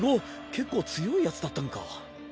結構強いヤツだったのか。